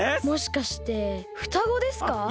もしかしてふたごですか？